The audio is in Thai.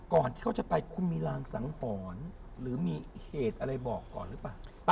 ก่อนที่เขาจะไปคุณมีรางสังหรณ์หรือมีเหตุอะไรบอกก่อนหรือเปล่า